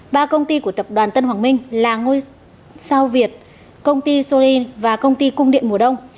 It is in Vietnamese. ba công ty của tập đoàn tân hoàng minh là ngôi sao việt công ty sori và công ty cung điện mùa đông